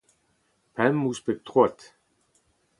Pemp ouzh pep troad.